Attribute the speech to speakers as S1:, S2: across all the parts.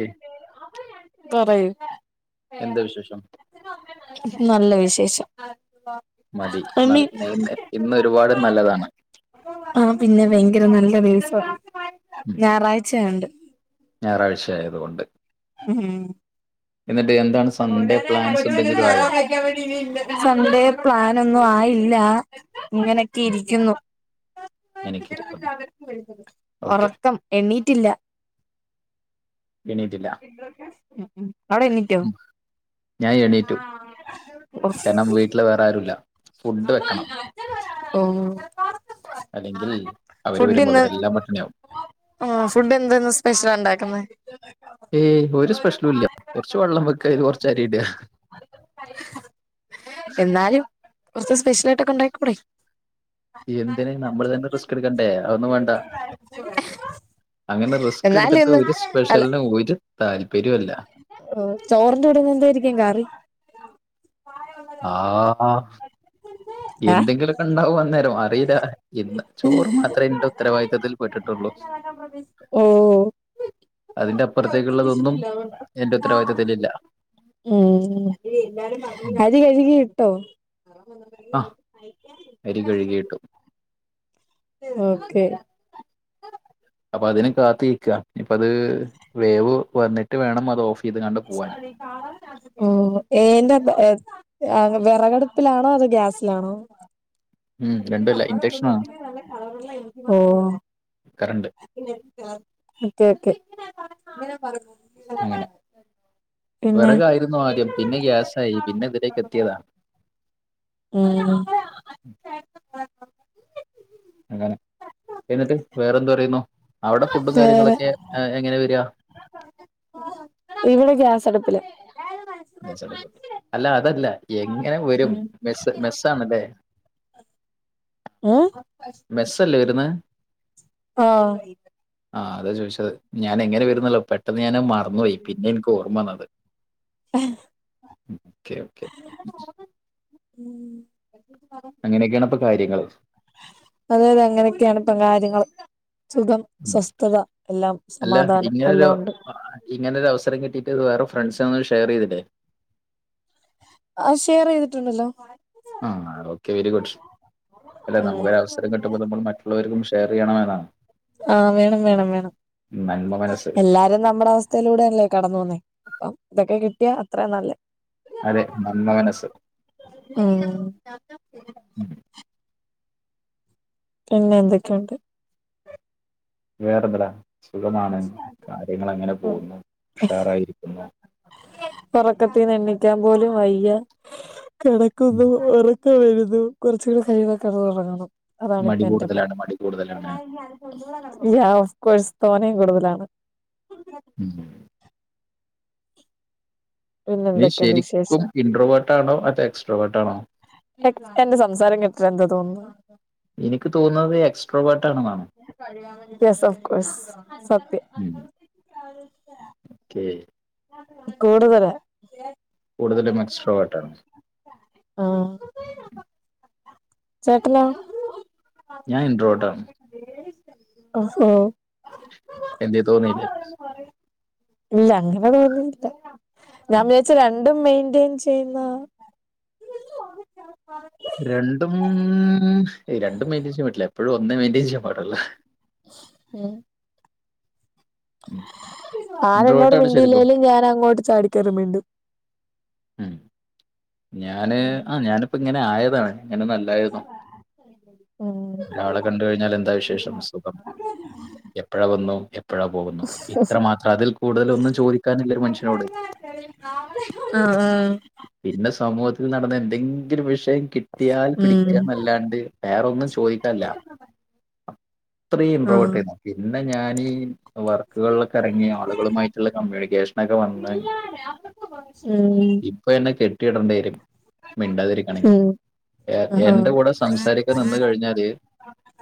S1: A
S2: പറയ്.
S1: എന്താ വിശേഷം?
S2: നല്ല വിശേഷം.
S1: മതി. ന്ന
S2: അമ്മി
S1: [unintelligible] ഇന്ന് ഒരുപാട് നല്ലതാണ്.
S2: ആഹ്. പിന്നെ വെയ്ങ്കര നല്ല വെയിൽസാണ്.
S1: ഉം
S2: ഞായറാഴ്ചയോണ്ട്.
S1: ഞായറാഴ്ച ആയതുകൊണ്ട്
S2: മ് മ്
S1: എന്നിട്ട് എന്താണ് സൺഡേ പ്ലാൻസ് എന്തെങ്കിലും ആയൊ?
S2: സൺഡേ പ്ലാനൊന്നു ആയില്ല. ഇങ്ങനൊക്കെ ഇരിക്കുന്നു.
S1: എനിക്കിരിക്കുന്നു ഓക്കെ
S2: ഒറക്കം. എണീറ്റില്ല
S1: എണീറ്റില്ല.
S2: ഉ. അവടെ എണീറ്റൊ?
S1: ഞാ എണീറ്റു. കാരണം വീട്ടില് വേറെ ആരുല്ല. ഫുഡ് വെക്കണം.
S2: ഓ
S1: അല്ലെങ്കിൽ. അവര് വരുമ്പോ അവരെല്ലാം പട്ടിണിയാവും.
S2: ഓ. ഫുഡ് എന്തന്ന് സ്പെഷ്യല ണ്ടാക്കുന്നെ?
S1: ഏയ്. ഒരു സ്പെഷ്യലും ഇല്ല. കൊർച്ച് വെള്ളം വെക്ക. ഇത് കൊറച്ചരിഇടാ
S2: എന്നാലും കൊറച്ച് സ്പെഷ്യലാ യിട്ടൊക്കെ ണ്ടാക്കിക്കൂടെ?
S1: എന്തിന്? നമ്മള് തന്നെ റിസ്ക് എടുക്കണ്ടേ. അതൊന്നും വേണ്ട. അങ്ങനെ റിസ്ക്
S2: എന്നാലും
S1: എടുത്തിട്ട്
S2: ഇന്ന്
S1: ഒരു സ്പെഷ്യൽനും ഒരു താല്പര്യൊല്ല.
S2: ഓ. ചോറിന്റെ കൂടെന്ന് ന്തായിരിക്കും കറി?
S1: ആ ഹ
S2: ഏഹ്
S1: എന്തെങ്കിലുമൊക്കെ ഉണ്ടാവും അന്നേരം അറിയില്ല ഇ ന്ന്ചോറ് മാത്രമേ എന്റെ ഉത്തരവാദിത്തത്തിൽ പെട്ടിട്ടുള്ളൂ
S2: [unintelligible]
S1: അതിന്റെ അപ്പുറത്തേക്കുള്ളതൊന്നും എന്റെ ഉത്തരവാദിത്തത്തിലില്ല
S2: ഉം
S1: ഉം.
S2: അരി കഴുകി ഇട്ടോ
S1: ആ അരി കഴുകിയിട്ടു
S2: ഓക്കെ
S1: അപ്പൊ അതിന് കാത്തിക്ക ഇപ്പ അത് വേവ് വന്നിട്ട് വേണം അത് ഓഫ് ചെയ്ത് കണ്ട് പോവാൻ
S2: എന്തുവാടി ഓ ഏന്തവിറകടുപ്പിലാണോ. അതോ ഗ്യാസിലാണോ
S1: ഉം രണ്ടുമല്ല ഇൻഡക്ഷനാണ്
S2: ഓ
S1: കറണ്ട്
S2: ഒക്കെ ഓക്കെ
S1: അങ്ങനെ
S2: പിന്നെ
S1: വെറകായിരുന്നു ആദ്യം പിന്നെ ഗ്യാസായി പിന്നെ ഇതിലേക്ക് എത്തിയതാ
S2: ഉം
S1: അങ്ങനെ എന്നിട്ട് വേറെ എന്ത് പറയുന്നു അവിടെ ഫുഡും
S2: വേറെ
S1: കാര്യങ്ങളൊക്കെ എങ്ങനെ വരിക
S2: ഇവിടെ ഗ്യാസടപ്പില
S1: ഗ്യാസ് അടുപ്പഅല്ല അതല്ല എങ്ങനെ വരും
S2: ഉം
S1: മെസ്സ് മെസ്സാണല്ലേ
S2: ഉം
S1: മെസ്സല്ലേ വരുന്ന
S2: ആഹ്
S1: ആഹ് അതെ ചോദിച്ചത് ഞാന് എങ്ങനെ വരുന്നല്ലോ പെട്ടെന്ന് ഞാൻ മറന്നു പോയി പിന്നെ എനിക്ക് ഓർമ്മ വന്നത്
S2: ആ
S1: ഓക്കെ ഓക്കെ
S2: ഉം
S1: അങ്ങനെയൊക്കാണ് അപ്പൊ കാര്യങ്ങള്
S2: അതെതെ അങ്ങനെയൊക്കാണ് ഇപ്പം കാര്യങ്ങള് സുഖം
S1: ഉം
S2: സ്വസ്ഥത എല്ലാം സമാധാനം എല്ലാം ഉണ്ട്
S1: ഇങ്ങനെ ഒരു അവസരം കിട്ടിട്ട് വേറെ ഫ്രണ്ട്സിനൊന്നും ഷെയറ് ചെയ് തിലെ
S2: ആ ഷെയറ് ചെയ്തിട്ടുണ്ടല്ലോ
S1: ആ ഓക്കെ വെരി ഗുഡ് അല്ലെ
S2: ഉം
S1: നമുക്കൊ രവസരം കിട്ടുമ്പോ നമ്മള് മറ്റ് ള്ളവരും ഷെയർ ചെ യ്യണമെന്നാണ്
S2: ആവേണം വേണം വേണം
S1: നന്മ മനസ്സ്
S2: എല്ലാരും നമ്മുടെ അവസ് [unintelligible] ലൂടെല്ലേ കടന്നു പോന്നേ അപ്പം തൊക്കെ കിട്ടിയാ അത്ര നല്ലേ
S1: അതെ നന്മ മനസ്സ്
S2: ഉം
S1: ഉം
S2: പിന്നെ എന്തൊക്കെണ്ട്
S1: വേറെ എന്താട സുഖമാണ് കാര്യങ്ങള് അങ്ങനെ പോകുന്നു ഉഷാറായിരിക്കുന്നു
S2: ഒറക്കത്തിന്ന് എണിക്കാൻ പോലും വയ്യ
S1: ഉം.
S2: കിടക്കുന്നു ഒറ ക്കം വരുന്നു കൊറച്ചുടെ കഴിഞ്ഞാൽ കെടന്നുറങ്ങണം
S1: മടി
S2: അതാണിപ്പ എന്റെ പ്ലാൻ
S1: കൂടുതലാണ് മടി കൂടുതലാണ്.
S2: യാ ഓഫ്കോഴ്സ് തോനെ കൂടുതലാണ്
S1: ഉം
S2: പിന്നെ
S1: നീ
S2: എന്തൊക്കെയുണ്ട്
S1: ശരിക്കും
S2: വിശേഷം
S1: ഇൻട്രോവെർട്ട് ആണോ അതോ എക്സ്ട്രോ വെർട്ടാണോ
S2: എ എന്റെ സംസാരം കേട്ടിട്ട് എന്താ തോന്നുന്നു
S1: ഇനിക്ക് തോന്നുന്നത് നീ എക്സ്ട്രോവെർട്ട് ആണന്നാണ്
S2: യസ് ഓഫ്കോസ് സത്യം
S1: ഓക്കെ
S2: കൂടുതല
S1: കൂടുതലും എക്സ്ട്രോ വെട്ടാണ്
S2: ആ ചേട്ടനോ
S1: ഞാൻ ഇട്രെവേർട്ടാണ്
S2: ഓഹോ
S1: എന്തേ തോന്നിയില്ലേ
S2: ഇല്ല അങ്ങനെ തോന്നിയില്ല ഞാൻ വിചാരിച്ച് രണ്ടും മെയിന്റെയിൻ ചെ യ്യുന്ന
S1: രണ്ടും രണ്ടും മെയിന്റയിൻ ചെയ്യാൻ പറ്റില്ല എപ്പോഴും ഒന്നേ മെയിന്റയിൻ ചെയ്യാൻ പാടുള്ള്
S2: ഉം ആരെന്നോട്
S1: ഇൻട്രോവേർട്ടാണ് ശരിക്കും
S2: മിണ്ടില്ലേലും ഞാൻ അങ്ങോട്ട് ചാടിക്കേറി മിണ്ടും
S1: ഉം ഞാന് ആ ഞാനിപ്പോ ഇങ്ങനെ ആയതാണ് ഇങ്ങനെന്നും അല്ലായിരുന്നു
S2: ഉം ഉം
S1: ഒരാളെ കണ്ട് കഴിഞ്ഞാലെന്താ വിശേഷം സുഖം എപ്പോഴ വന്നു പ്പോഴാ പോകുന്നു ഇത്ര മാത്രം അതിൽ കൂടുതലൊന്നും ചോദിക്കാനില്ല ഒരു മനുഷ്യനോട്
S2: ആഹ് ആഹ്
S1: പിന്നെ സമൂഹത്തിൽ നടന്ന എന്തെങ്കിലും വിഷയം കിട്ടിയാൽ
S2: ഉം
S1: പിടിക്കാന്നല്ലാണ്ട് വേറൊന്നും ചോദിക്കാനില്ല അത്രയും ഇംപ്രവേർട്ട് ചെയ്യുന്നു പിന്നെ ഞാനി വർക്കുകളിലൊക്കെ എറങ്ങി ആളുകളുമായിട്ടുള്ള കമ്മ്യൂണിക്കേഷൻ
S2: ഉം
S1: ഇപ്പൊ എന്നെ കെട്ടിയിടേണ്ടി വരും മിണ്ടാതിരിക്കണെങ്കില്
S2: ഉം ആഹ്
S1: എന്റെ കൂടെ സംസാരിക്കാൻ നിന്ന് കഴിഞ്ഞാല്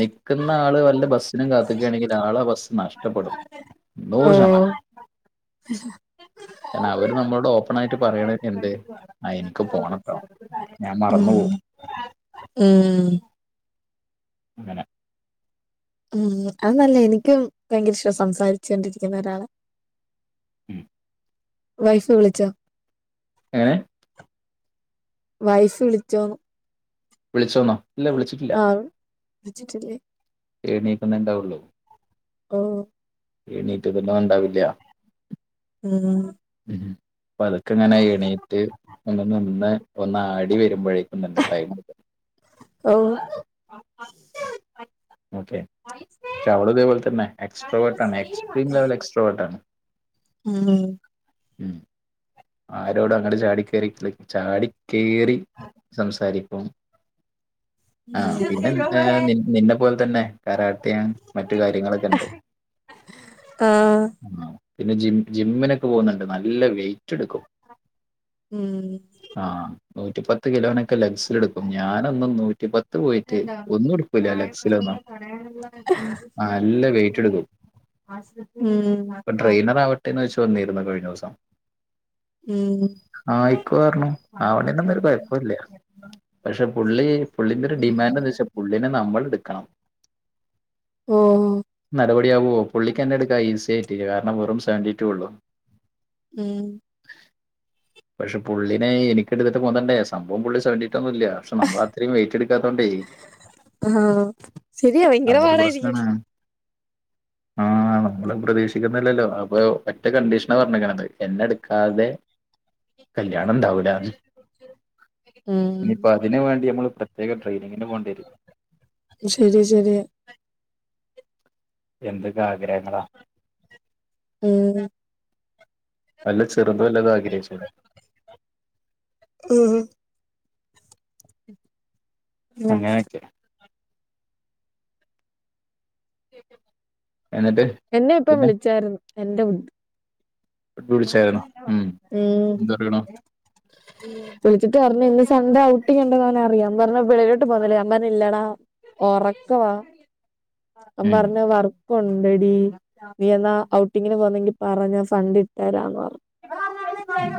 S1: നിക്കുന്ന ആള് വല്ല ബസ്സിനും കാത്ത് നിക്കാണെങ്കിൽ ആള ബസ്സ് നഷ്ടപ്പെടും നൂറ്ശതമാനം
S2: ഉ
S1: എന്ന അവര് നമ്മളോട് ഓപ്പൺ ആയിട്ട് പറയണൊക്കെണ്ട് ആ എനിക്ക് പോണംട്ടോ ഞാൻ മറന്നു
S2: ഉം
S1: പോവും
S2: ഉം
S1: അങ്ങനെ
S2: ഉം അത് നല്ലെയാ എനിക്കും ഭയങ്കര ഇഷ്ട സംസാരിച്ചു കൊണ്ടിരിക്കുന്ന ഒരാളെ
S1: ഉം
S2: വൈഫ് വിളിച്ചോ
S1: എങ്ങനെ
S2: വൈഫ് വിളിച്ചോന്ന്
S1: വിളിച്ചോന്നോ ഇല്ല വിളിച്ചിട്ടില്ല
S2: വിളിച്ചട്ടില്ലേ
S1: എണീക്കുന്നുണ്ടാവുള്ളൂ
S2: ഓഹ്
S1: എണീറ്റ്തന്നെ ഉണ്ടാവില്ല
S2: ഉം
S1: ഉം പതുക്കെ ഞാൻ എണീറ്റ് ഒന്ന് നിന്ന് ഒന്നാടി വരുമ്പോഴേക്കും ഇന്നത്തെ ടൈം
S2: ഓഹ്
S1: ഓക്കെ പക്ഷ അവളും ഇതേപോല തന്നെ എസ്ട്രോവർട്ടാണ് എക്സ്ട്രീ ലവൽ എക്സ്ട്രോ വർട്ടാണ്
S2: ഉം
S1: ഉം ആരോട അങ്ങനെ ചാടി ക്കേറി ക്ലിക് ചാടിക്കേറി സംസാരിക്കും ആഹ് പിന്നെ നിന്ന പോ ൽ തന്നെ കരാട്ടയും മറ്റു കാര്യങ്ങളൊക്കെ ഉണ്ട്
S2: ആഹ്
S1: ആ പിന്നെ ജിം ജിമ്മിനൊക്കെ പോകുന്നുണ്ട് നല്ല വെയിറ്റ് എടുക്കും
S2: ഉം
S1: ആഹ് നൂറ്റിപത്ത് കിലോനൊക്കെ ലഗ്സൽ എടുക്കും ഞാനൊന്നും നൂറ്റിപത് ത്ത് പോയിട്ട് ഒന്നുംഎടുക്കൂല ലക്സ്
S2: തടയാനുള്ള
S1: വെയിറ്റ് എടുക്കും
S2: [unintelligible] ഉം
S1: ഇപ്പൊ [unintelligible]
S2: ഉം
S1: ആഹ ആയിക്ക പറനു [unintelligible] പക്ഷെ പുള്ളി പുള്ളിന്റെ ഒരു ഡിമാൻഡ്ന്ന് വെച്ചാൽ പുള്ളിനെ നമ്മൾ എടുക്കണം
S2: ഓ
S1: നടപടി ആാവുവോ പുള്ളിക്ക്ന്നെ എടുക്കാ ഈസി ആയിട്ടില്ല കാരണം വെറും സെവൻറിി ടു ഉള്ളു
S2: ഉം
S1: പക്ഷെ പുള്ളിനെ എനിക് എടുത്തിട്ട് തോന്നണ്ടേ സംഭവം പുള്ളി സെവന് പിൊന്നല്ല പക്ഷെ നമ്മള അത്രയും വയിറ്റ് എടുാത്തോണ്ടേ
S2: ആ ശരിയാ ഭയങ്കര
S1: അതൊരു
S2: പാടായിരിക്കും
S1: [inaudible] ആഹ് നമ്മള് പ്രതീക്ഷിക്കുന്നില്ലല്ലോ അപ്പൊ മറ്റേ കണ്ടീഷന പറഞ്ഞക്കണത് എന്നെ എടുക്കാതെ കല്യാണം ണ്ടാവുലാന്ന്
S2: ഉം
S1: ഇനിയിപ്പോ അതിനന് വേണ്ടി നമ്മള് പ്രത്യേക ട്രെയിനിങ്ങിന് പോേണ്ട്യരും
S2: ശരിയാ ശരിയാ
S1: എന്തൊക്കെ ആഗ്രഹങ്ങളാ
S2: ഉം
S1: വല്ല ചെറുത വല്ലത ആഗ്രഹിച്ചുൂടെ
S2: ഉം
S1: അങ്ങനെയൊക്കെ എന്നിട്ട്
S2: എന്നെ ഇപ്പ
S1: പിന്നെ
S2: വിളിച്ചാരുന്നു എന്റെറെ ബുധി
S1: വിളിച്ചായിരുന്നോ ഉം എന്തറിണു
S2: വിളിച്ചിട്ട് പറഞ് ഇന്ന് സൺ‌ഡേ ഔട്ടിക്കണ്ടന്ന്ോ അവെ അറിയാം ൻ പറഞ്ഞ വിളിലോട്ട് പോകന്നില്ലേ ഞാ പറഞ്ഞ ഇല്ലാടാ ഉറക്കവാ
S1: ഉം
S2: പറഞ്ഞ വ കൊണ്ടടി നീ എന്നാ ഔട്ടിങ്ങിന് പോന്നെങ്കി പറഞ്ഞ ഫണ്ട് ഇ തരാന്ന് പറഞ്ഞു
S1: ഉം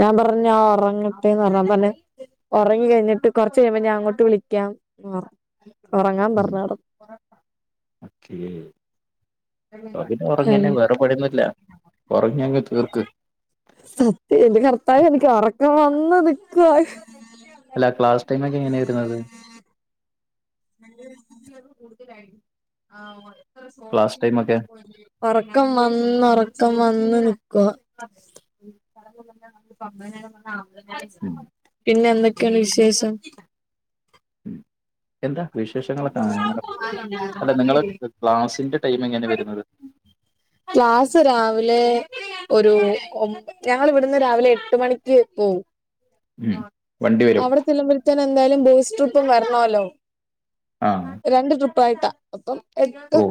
S2: ഞാൻ പറഞ്ഞ ഉറങ്ങിട്ടേന്ന് പറഞ്ഞാ പറന്നെ ഉറങ്ങി കഴിഞ്ഞിട്ട് കുറച്ച് കഴിയുമ്പോ ഞാ അങ്ങോട്ട് വിളിക്കാം ഉറങ്ങാൻ പറഞ്ഞട
S1: അതെയോ അതി ഉറങ്ങിന്നെ
S2: കിടന്ന്
S1: വേറെ പണിയോന്നില്ല ഉറങ്ങെങ്കി തീർക്ക്
S2: സത്യം എന്റെ കർത്താവ് എനിക്ക് ഉറക്കൻ വന്ന നിക്കവാ
S1: അല്ല ക്ലാസ് ടൈം ഒക്കെ എങ്ങനെയ വരുന്നത്
S2: [unintelligible] [inaudible]
S1: ക്ലാസ് ടൈം ഒക്കെ
S2: ഉറക്കം വന്ന് ഉറക്കം വന്ന് നിക്കുവ
S1: ഉം
S2: പിന്നെ എന്തൊക്കെയാണ് വിശേഷം
S1: ഉം എന്താ വിശേഷങ്ങളൊക്കെ അങ്ങനെ അല്ല നിങ്ങള് ക്ലാസ്സിന്റെ ടൈം എങ്ങന വരുന്നത്
S2: ക്ലാസ്സ് രാവിലെ ഒരു ഞങ്ങ ഇവിടുന്ന് രാവിലെ എട്ട് മണിക്ക് പോവും
S1: ഉം വണ്ടി വരും
S2: അവിടെ തിളമ്പഴത്തേെ എന്തായാലും ബൂസ് ട്രിപ്പും വരണല്ലോ
S1: ആ
S2: രണ്ട് ട്രിപ്പായിട്ടാ അപ്പം എട്ട്
S1: ഓ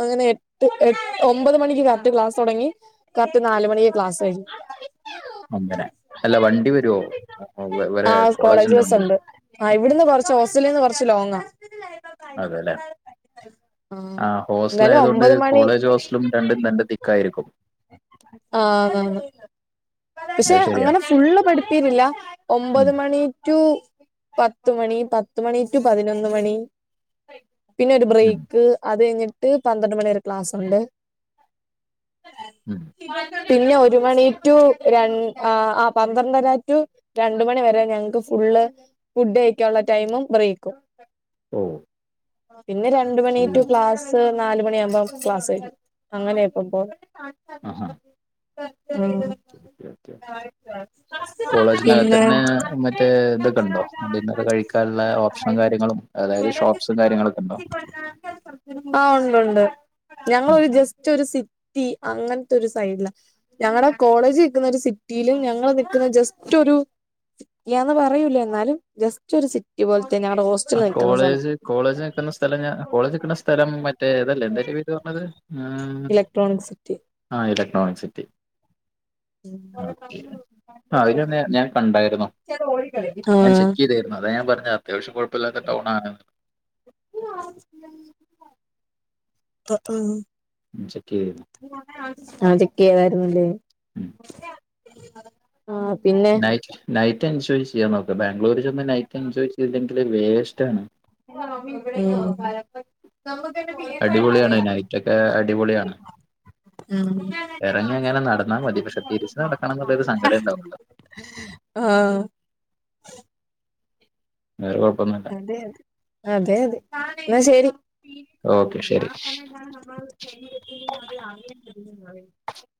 S2: അങ്ങനെ എട്ട് എ ഒമ്പത് മണിക്ക് കാത്ത് ക്ലാസ് തുടങ്ങി കറക്റ്റ് നാല മണിക്ക് ക്ലാസ് ആും
S1: അങ്ങനെ അല്ല വണ്ടി വരുമവോറെ കോളേജ വണ്ടി വരു
S2: ആ് ഇവിടുന്ന് കുറച്ച് ഓസ്ട്രേലിയൽന്ന് കുറച്ച് ലോങ്ങ
S1: അതെല്ലെ ആ ഹോസ്റ്റല
S2: എന്നാലും
S1: ആയതൊണ്ട്
S2: ഒമ്പത് മണി
S1: കോളേജ് ഹോസ്റ്റലും രണ്ടും തന്റെ തിക്കായിരിക്കും
S2: ആ അതാണ് പക്ഷെ
S1: അത് ശരിയാ
S2: അങ്ങനെ ഫുള്ള് പഠിപ്പിരില്ല ഒമ്പത്
S1: ഉം
S2: മണി ടു പത്ത് മണി പത്ത് മണി ടു പതിനൊന്ന് മണി പിന്നെ ഒരു
S1: ഉം
S2: ബ്രേക്ക് അത് കഴിഞ്ഞ ട്ട് പന്ത്രണ്ട് മണിരെ ക്ലാസ് ഉണ്ട്
S1: ഉം
S2: പിന്നെ ഒരു മണി റ്റൂ ര ആ പന്ത്രണ്ടര റ്റൂ രണ്ട മണി വരെ ഞങ്ങക്ക് ഫുള്ള് ഫുഡ് കഴിക്കാനുള്ള ടൈമും ബ്രേക്കും
S1: ഓ
S2: പിന്നെ രണ്ട് രണ്ട് മണി
S1: ശരി
S2: റ്റു ക്ലാസും ക് നാലുമണിയകുമ്പോ ക്ലാസ് അങ്ങനെപ്പ ഇ്പ
S1: ആഹാ
S2: [unintelligible] പിന്നെ
S1: കോളേജിനകത്തന്നെ മറ്റേ ഇതൊക്കെ ഉണ്ടോ ന്നർ കഴ ഓപ്ഷനും കാര്യങ്ങളും അതായത് ഷോപ്സും കാര്യങ്ങളൊക്കെ ഉണ്ടോ
S2: ആഹ് ഉണ്ട് ഉണ്ട്
S1: ഉം
S2: ഞങ്ങളൊരു ജസ്റ്റ് ഒരു സിറ്റി അങ്ങനത്തെ ഒരു സൈഡില്ല ഞങ്ങളടെ കോളേജ് നിൽക്കുന്ന ഒരു സിറ്റിയിലും ഞങ്ങള് നിക്കുന്ന ജസ്റ്റ് ഒരു സിറ്റിയന്ന് പറയൂല എന്നാലും ജസ്റ്റ് ഒരു സിറ്റി പോലെ തന്നെ അവിടെ
S1: ആഹ് കോളേജ് കോളേജ് നിൽക്കുന്ന സ്ഥലം ഞാ കോളേജ് നിക്കുന്ന സ്ഥലം മറ്റേ അതല്ലേ എന്ത അതിൻ്റെ പേര് പറഞ്ഞത് ആ
S2: ഇലക്ട്രോണിക് സിറ്റി
S1: ആ ഇലക്ട്രോണിക് സിറ്റി ഓക്കെ ആ അവന ഞാൻ കണ്ടായിരുന്ന് ഞാൻ
S2: ആഹ്
S1: ചെക്ക് ചെയ്തായിരുന്നു അതാ ഞാൻ പറഞ്ഞത് അത്യാവശ്യം കുഴപ്പമില്ലാത്ത ടൗൺ ആണ്
S2: ഉം ഉം
S1: ചെക്ക് ചെയ്ത്
S2: ആഹ് ചെക്ക് ചെയ്താരുന്നല്ലേ
S1: ഉം.
S2: ആ പിന്നെ
S1: നൈറ്റ് നൈറ്റ് എൻജോയ് ചെയ്യാൻ നോക്കാം ബാംഗ്ലൂരിൽ ചെന്ന് നൈറ്റ് എൻജോയ് ചെയ്ല്ലെങ്കിൽ വേസ്റ്റ് ആണ്
S2: ആ ഇവിടെ [unintelligible] ഉം നമുക്ക്
S1: അടിപൊളിയാണ് നൈറ്റൊക്കെ അടിപൊളിയാണ് ഇറങ്ങി അങ്ങനെ നടന്നാൽ മതി പക്ഷെ തിരിച്ച് നടക്കണം എന്നുള്ളൊരു സങ്കടം ഉണ്ടാവല്ലോ
S2: ആഹ്
S1: വേറെ കുഴപ്പൊന്നുല്ല
S2: അതെ അതെ അതെ അതെ എന്ന ശരി
S1: ഓക്കെ
S2: ശത്തി
S1: ശരി
S2: ആറിയ [unintelligible]